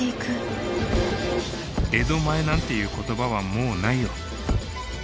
江戸前なんていう言葉はもうないよ。